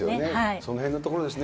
そのへんのところですね。